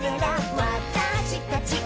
「わたしたちを」